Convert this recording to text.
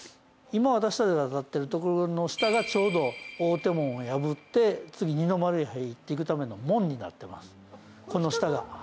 今、私たちが立ってる所の下がちょうど、大手門を破って次、二の丸へ入っていくための門になってます、この下が。